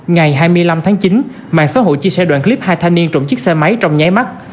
ngày hai mươi năm tháng chín mạng xã hội chia sẻ đoạn clip hai thanh niên trộm chiếc xe máy trong nháy mắt